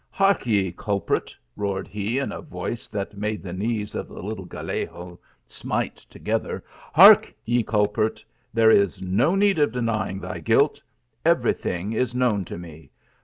"Hark ye, culprit," roared he in a voice that made the knees of the little Gallego smite together, " Hark ye, culprit ! there is no need of denying thy guilt : every thing is known to me.